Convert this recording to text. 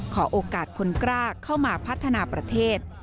ขอโอกาสคนกล้าเข้ามาพัฒนาประเทศ